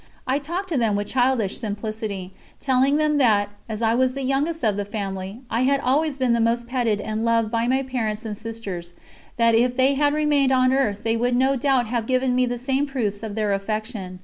I talked to them with childish simplicity, telling them that, as I was the youngest of the family, I had always been the most petted and loved by my parents and sisters; that if they had remained on earth they would no doubt have given me the same proofs of their affection.